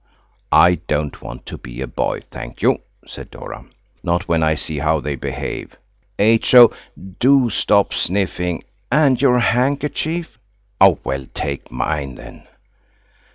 "I don't want to be a boy, thank you," said Dora, "not when I see how they behave. H.O., do stop sniffing and your handkerchief. Well, take mine, then."